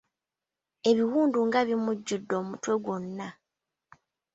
Ebiwundu nga bimujjuddde omutwe gwonna!